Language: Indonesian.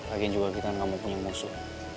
lagian juga kita gak mau punya musuh